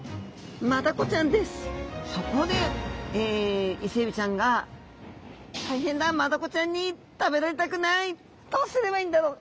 そこでイセエビちゃんが「大変だ！マダコちゃんに食べられたくない！どうすればいいんだろう！